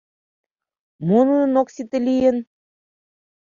Мо нунын оксите лийын?